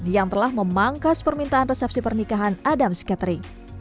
yang telah memangkas permintaan resepsi pernikahan adams catering